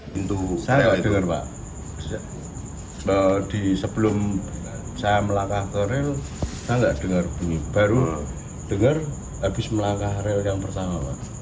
pintu saya dengar pak sebelum saya melangkah ke rel kita nggak dengar bunyi baru dengar habis melangkah rel yang pertama pak